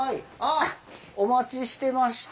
お待ちしてました。